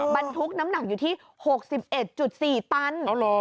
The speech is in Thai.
บรรทุกน้ำหนักอยู่ที่๖๑๔ตัน